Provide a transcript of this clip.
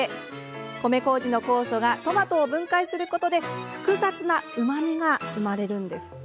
米こうじの酵素がトマトを分解することで複雑なうまみが生まれるんです。